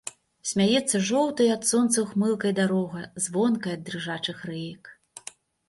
Смяецца жоўтай ад сонца ўхмылкай дарога, звонкая ад дрыжачых рэек.